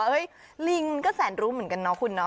เฮ้ยลิงก็แสนรู้เหมือนกันเนอะคุณเนอะ